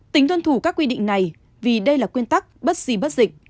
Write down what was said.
tính tuân thủ các quy định này vì đây là quy tắc bất xì bất dịch